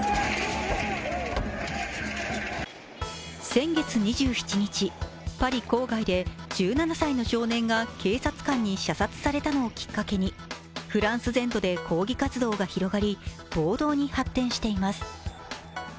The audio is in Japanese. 先月２７日、パリ郊外で１７歳の少年が、警察官に射殺されたのをきっかけに、フランス全土で抗議活動が広がり、暴動に発展しています。